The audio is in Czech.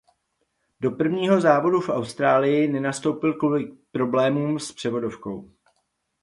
Do prvního závodu v Austrálii nenastoupil kvůli problémům s převodovkou.